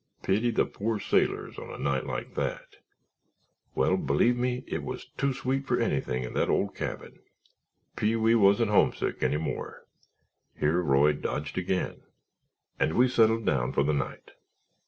Pity the poor sailors on a night like that! "Well, believe me, it was too sweet for anything in that old cabin. Pee wee wasn't homesick any more (here Roy dodged again) and we settled down for the night.